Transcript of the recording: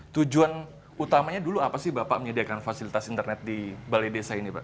tujuan utamanya dulu apa sih bapak menyediakan fasilitas internet di balai desa ini pak